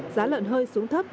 giá lợn hơi xuống thấp